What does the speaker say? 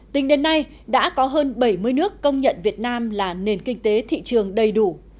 tính đến nay đã có hơn bảy mươi nước công nhận việt nam là nền kinh tế thị trường đầy đủ